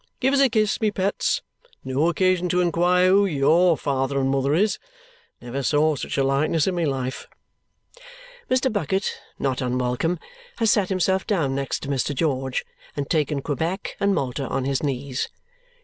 Give us a kiss, my pets. No occasion to inquire who YOUR father and mother is. Never saw such a likeness in my life!" Mr. Bucket, not unwelcome, has sat himself down next to Mr. George and taken Quebec and Malta on his knees.